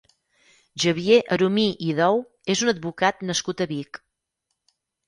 Xavier Arumí i Dou és un advocat nascut a Vic.